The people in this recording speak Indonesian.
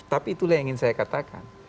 tapi itulah yang ingin saya katakan